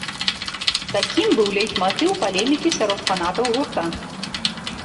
Такім быў лейтматыў палемікі сярод фанатаў гурта.